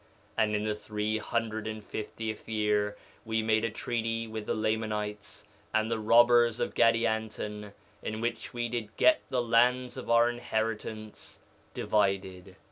And in the three hundred and fiftieth year we made a treaty with the Lamanites and the robbers of Gadianton, in which we did get the lands of our inheritance divided.